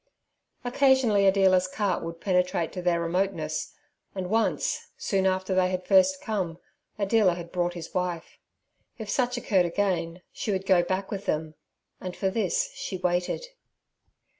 Occasionally a dealer's cart would penetrate to their remoteness, and once, soon after they had first come, a dealer had brought his wife. If such occurred again, she would go back with them; and for this she waited.